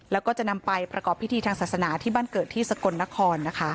แล้วก็จะนำไปประกอบพิธีทางศาสนาที่บ้านเกิดที่สกลนครนะคะ